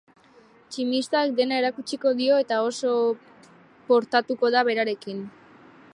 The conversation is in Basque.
Tximistak dena erakutsiko dio eta oso portatuko da berarekin.